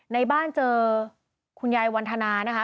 ในบ้านเจอคุณยายวันธนานะคะ